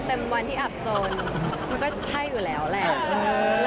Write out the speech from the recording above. เต็มวันที่อับจนมันก็ใช่อยู่แล้วแหละ